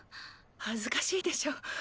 恥ずかしいでしょ？